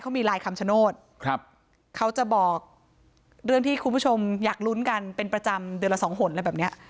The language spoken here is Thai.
เขามีลายคำชโนธครับเขาจะบอกเรื่องที่คุณผู้ชมอยากลุ้นกันเป็นประจำเดือนละสองหนอะไรแบบเนี้ย